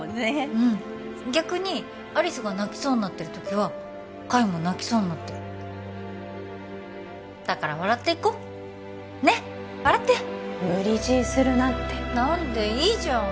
うん逆に有栖が泣きそうになってる時は海も泣きそうになってるだから笑っていこうねっ笑って無理強いするなって何でいいじゃん